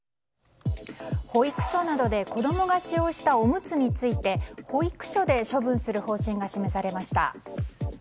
保育所などで子供が使用したおむつについて保育所で処分する方針が示されました。